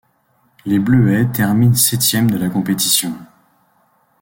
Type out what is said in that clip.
Les Bleuets terminent septième de la compétition.